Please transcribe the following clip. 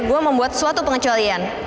gue membuat suatu pengecualian